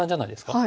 はい。